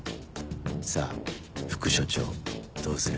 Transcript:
さぁ副署長どうする？